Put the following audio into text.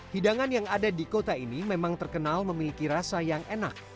hidangan yang ada di kota ini memang terkenal memiliki rasa yang enak